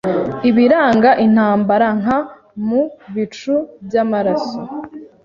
Ibiranga intambara nka Mu bicu byamaraso